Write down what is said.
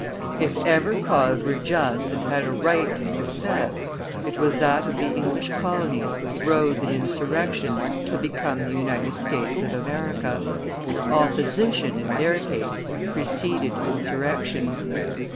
"If ever cause were just and had a right to success, it was that of the English colonies which rose in insurrection to become the United States of America. Opposition, in their case, preceded insurrection.